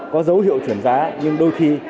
có dấu hiệu chuyển giá nhưng đôi khi